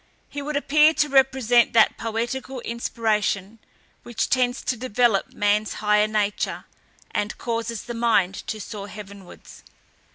He would appear to represent that poetical inspiration, which tends to develop man's higher nature, and causes the mind to soar heavenwards.